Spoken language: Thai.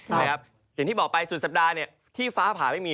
อย่างที่บอกไปสุดสัปดาห์ที่ฟ้าผ่าไม่มี